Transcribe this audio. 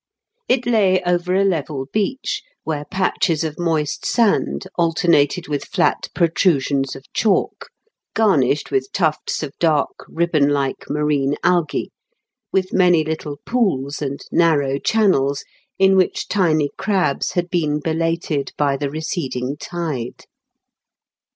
It lay over a level beach, where patches of moist sand alternated with flat protrusions of chalk, garnished with tufts of dark ribbon like marine algae, with many little pools and narrow channels, in which tiny crabs had been belated by the receding tide.